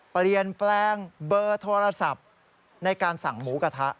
เปลี่ยนแปลงเบอร์โทรศัพท์ในการสั่งหมูกระทะ